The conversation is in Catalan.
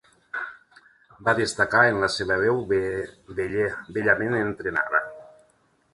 Va destacar en la seva veu bellament entrenada.